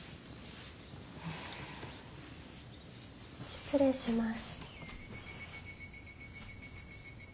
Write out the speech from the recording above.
失礼します。